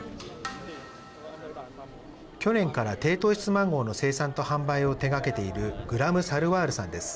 去年から低糖質マンゴーの生産と販売を手がけているグラム・サルワールさんです。